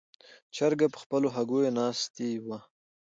چرګه په خپلو هګیو ناستې وه.